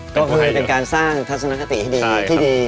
ก็คือเป็นการสร้างทัศนคติให้ดีที่ดี